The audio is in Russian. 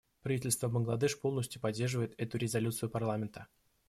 Правительство Бангладеш полностью поддерживает эту резолюцию парламента.